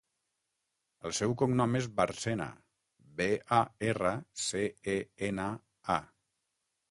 El seu cognom és Barcena: be, a, erra, ce, e, ena, a.